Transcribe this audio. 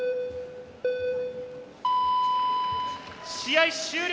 試合終了！